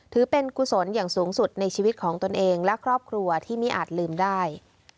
ถือเป็นกุศลอย่างสูงสุดในชีวิตของตนเองและครอบครัวที่ไม่อาจลืมได้